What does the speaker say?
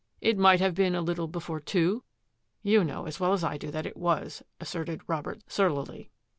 " It might have been a little before two ?"" You know as well as I do that it was," as serted Robert surlily.